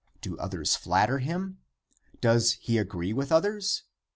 Do others flatter him? Does he agree with others?